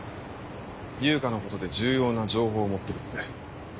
悠香のことで重要な情報を持ってるって。